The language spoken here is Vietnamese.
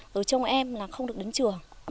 rồi trong em là không được đến trường